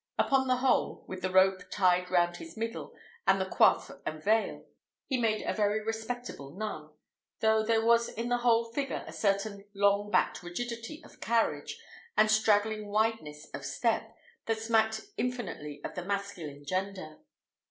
Upon the whole, with the rope tied round his middle, and the coif and veil, he made a very respectable nun; though there was in the whole figure a certain long backed rigidity of carriage, and straggling wideness of step, that smacked infinitely of the masculine gender.